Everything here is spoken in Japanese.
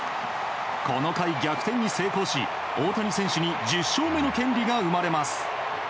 この回、逆転に成功し大谷選手に１０勝目の権利が生まれます。